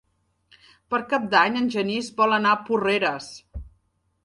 Per Cap d'Any en Genís vol anar a Porreres.